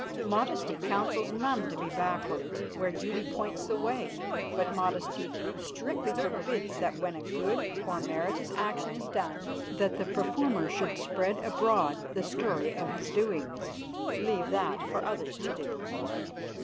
Modesty counsels none to be backwards where duty points the way; but modesty strictly forbids that when a good or meritorious action is done that the performer should spread abroad the story of his doings. Leave that for others to do.